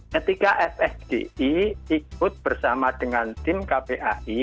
ketika fsdi ikut bersama dengan tim kpai